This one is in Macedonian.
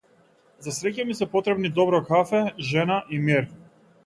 За среќа ми се потребни добро кафе, жена и мир.